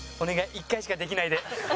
１回しかできないで！